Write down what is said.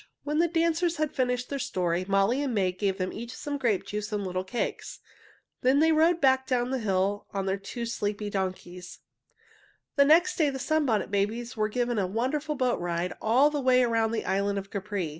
When the dancers had finished their story, Molly and May gave them each some grape juice and little cakes. Then they rode back down the hill on their two sleepy donkeys. The next day the Sunbonnet Babies were given a wonderful boat ride all the way around the island of Capri.